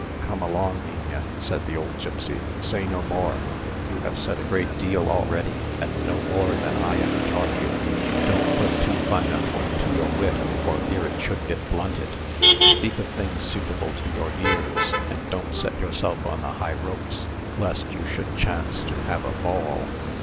"Come along, niña," said the old gipsy; "say no more, you have said a great deal already, and know more than I ever taught you. Don't put too fine a point to your wit for fear it should get blunted; speak of things suitable to your years; and don't set yourself on the high ropes, lest you should chance to have a fall."